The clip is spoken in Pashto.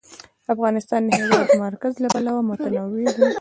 افغانستان د د هېواد مرکز له پلوه متنوع دی.